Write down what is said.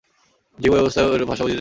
জীব ঐ অবস্থায় ঐরূপ ভাষা বুঝিতেই সমর্থ।